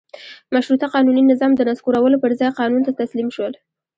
مشروطه قانوني نظام د نسکورولو پر ځای قانون ته تسلیم شول.